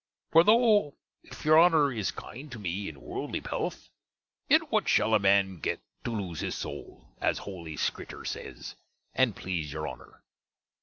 For tho'ff you Honner is kinde to me in worldly pelf, yet what shall a man get to loos his soul, as holy Skrittuer says, and plese your Honner?